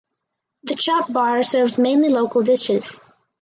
The Chop Bar serves mainly local dishes.